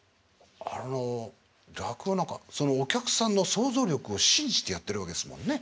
あの落語なんかそのお客さんの想像力を信じてやってるわけですもんね？